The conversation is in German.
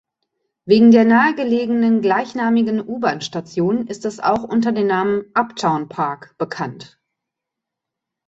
Wegen der nahegelegenen gleichnamigen U-Bahn-Station ist es auch unter dem Namen "Upton Park" bekannt.